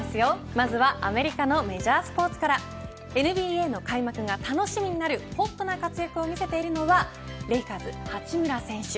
まずはアメリカのメジャースポーツからＮＢＡの開幕が楽しみになるホットな活躍を見せているのはレイカーズ八村選手。